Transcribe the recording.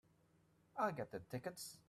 I'll get the tickets.